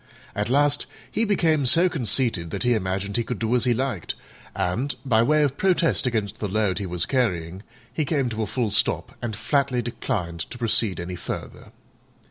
At last he became so conceited that he imagined he could do as he liked, and, by way of protest against the load he was carrying, he came to a full stop and flatly declined to proceed any further.